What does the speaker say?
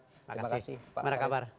terima kasih pak